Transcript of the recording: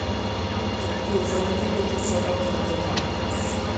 He was later convicted several times of violence.